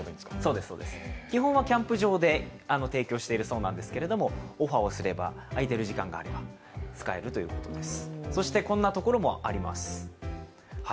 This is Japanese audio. そうです、基本はキャンプ場で提供しているんですが、オファーがあれば空いている時間は使えるということです。